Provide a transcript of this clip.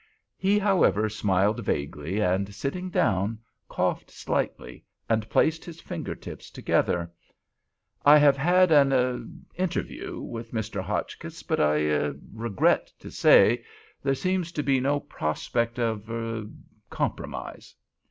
He, however, smiled vaguely and, sitting down, coughed slightly, and placed his fingertips together. "I have had an—er—interview with Mr. Hotchkiss, but—I—er—regret to say there seems to be no prospect of—er—compromise."